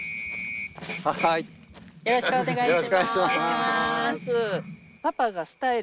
よろしくお願いします。